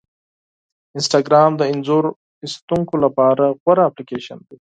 انسټاګرام د انځور ایستونکو لپاره غوره اپلیکیشن دی.